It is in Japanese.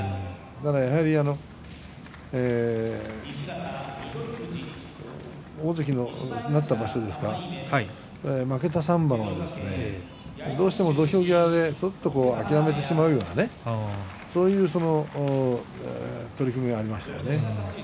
やはり大関になった場所ですか負けた３番はどうしても土俵際でふっと諦めてしまうようなそういう取組がありましたよね。